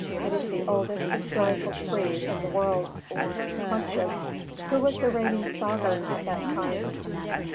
it is the oldest historical tree in the world. 300. Q. _Who was the reigning sovereign at that time?